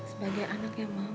sebagai anaknya mama